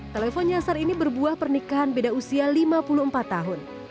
telepon nyasar ini berbuah pernikahan beda usia lima puluh empat tahun